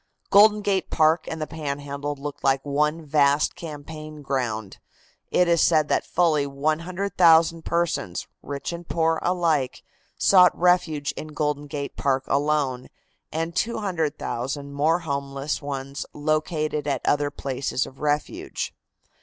Golden Gate Park and the Panhandle looked like one vast campaign ground. It is said that fully 100,000 persons, rich and poor alike, sought refuge in Golden Gate Park alone, and 200,000 more homeless ones located at the other places of refuge.